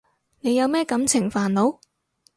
你有咩感情煩惱？